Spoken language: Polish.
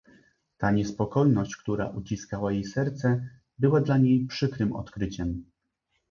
"Ta niespokojność, która uciskała jej serce, była dla niej przykrem odkryciem."